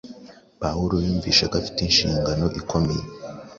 Pawulo yumvise ko afite inshingano ikomeye